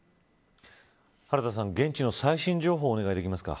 原田さん、現地の最新情報をお願いできますか。